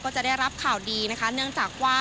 จะได้รับข่าวดีนะคะเนื่องจากว่า